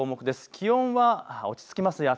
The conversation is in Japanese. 気温は落ち着きます。